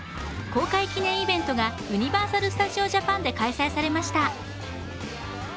公開記念イベントがユニバーサル・スタジオ・ジャパンで開催されました。